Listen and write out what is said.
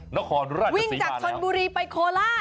นะครวดูลาลจะสีปานแล้ววิ่งจากชนบุรีไปโคลาต